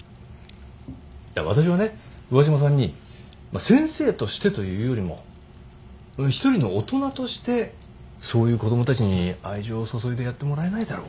いや私はね上嶋さんにまあ先生としてというよりも一人の大人としてそういう子供たちに愛情を注いでやってもらえないだろうかと。